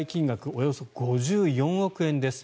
およそ５４億円です。